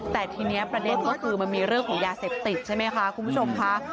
แต่ทีนี้ประเด็นก็คือมันมีเรื่องของยาเสพติดใช่ไหมคะคุณผู้ชมค่ะ